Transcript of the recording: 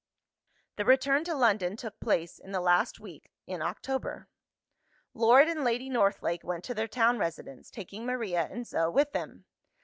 The return to London took place in the last week in October. Lord and Lady Northlake went to their town residence, taking Maria and Zo with them.